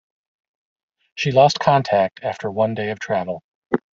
She lost contact after one day of travel.